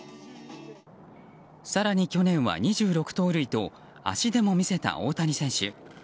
更に去年は２６盗塁と足でも見せた大谷選手。